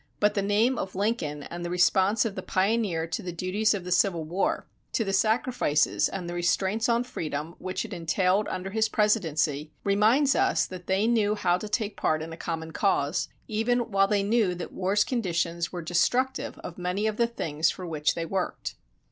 But the name of Lincoln and the response of the pioneer to the duties of the Civil War, to the sacrifices and the restraints on freedom which it entailed under his presidency, reminds us that they knew how to take part in a common cause, even while they knew that war's conditions were destructive of many of the things for which they worked.